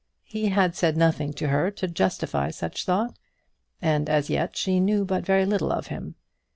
He had said nothing to her to justify such thought, and as yet she knew but very little of him.